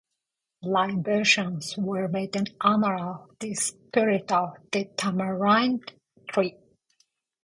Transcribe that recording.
Libations were made in honor of the spirit of the tamarind-tree.